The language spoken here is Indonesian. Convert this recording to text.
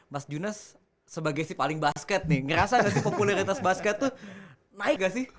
mas junas sebagai si paling basket nih ngerasa gak sih popularitas basket tuh naik gak sih